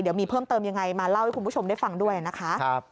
เดี๋ยวมีเพิ่มเติมยังไงมาเล่าให้คุณผู้ชมได้ฟังด้วยนะคะ